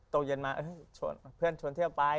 โต๊ะเย็นมาเพื่อนชนเที่ยวไป